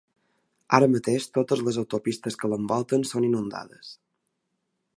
Ara mateix totes les autopistes que l’envolten són inundades.